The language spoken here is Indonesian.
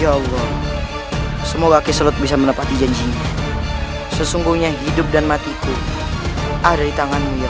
ya allah semoga keseluruh bisa menepati janjinya sesungguhnya hidup dan matiku ada di tanganmu ya